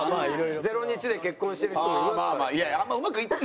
０日で結婚してる人もいますから。